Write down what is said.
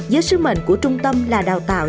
giới sứ mệnh của trung tâm là đào tạo